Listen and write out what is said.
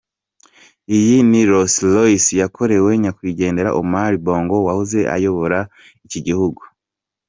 Iyi ni Rolls Royce yakorewe nyakwigendera Omar Bongo wahoze ayobora iki gihugu.